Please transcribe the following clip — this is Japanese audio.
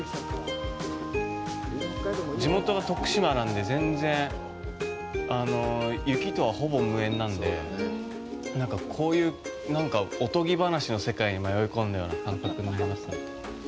地元が徳島なので全然、雪とは、ほぼ無縁なんで、なんか、こういうおとぎ話の世界に迷い込んだような感覚になりますね。